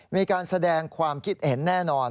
มีการแสดงความคิดเห็นแน่นอน